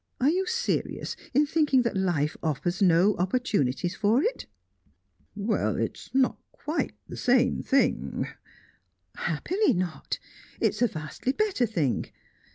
Are you serious in thinking that life offers no opportunities for it?" "Well it's not quite the same thing " "Happily, not! It's a vastly better thing.